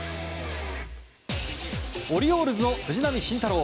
オリオールズの藤浪晋太郎。